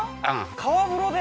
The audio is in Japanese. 川風呂で？